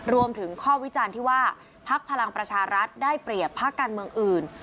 รวมถึงข้อวิจารณ์ที่ว่าพักพลังประชารัฐได้เปรียบพักการเมืองอื่น